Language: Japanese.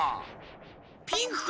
ピンクか？